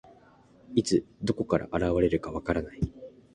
いつ、どこから現れるか分からない。